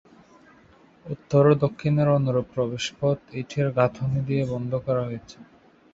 উত্তর ও দক্ষিণের অনুরূপ প্রবেশপথ ইটের গাঁথুনি‘ দিয়ে বন্ধ করা হয়েছে।